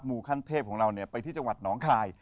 ขั้นเทพของเราไปที่จังหวัดหนองคาย